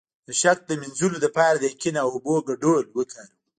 د شک د مینځلو لپاره د یقین او اوبو ګډول وکاروئ